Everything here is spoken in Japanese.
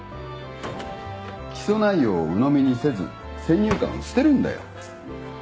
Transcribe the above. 起訴内容をうのみにせず先入観を捨てるんだよ。